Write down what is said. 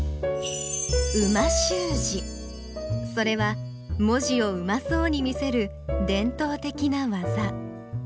それは文字をうまそうに見せる伝統的な技。